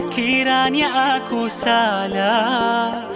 kiranya aku salah